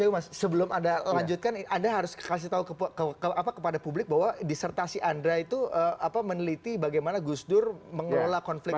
oke mas sebelum anda lanjutkan anda harus kasih tahu kepada publik bahwa disertasi anda itu meneliti bagaimana gus dur mengelola konflik